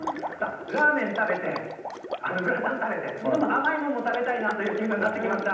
ラーメン食べて、グラタン食べて、ちょっと甘いものも食べたいなっていう気分になってきました。